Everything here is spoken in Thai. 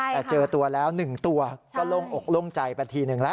แต่เจอตัวแล้ว๑ตัวก็โล่งอกโล่งใจไปทีหนึ่งแล้ว